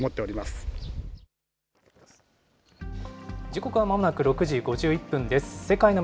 時刻はまもなく６時５１分です。